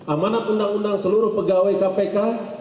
amanat undang undang seluruh pegawai kpk